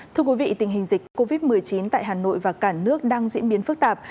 thưa quý vị tình hình dịch covid một mươi chín tại hà nội và cả nước đang diễn biến phức tạp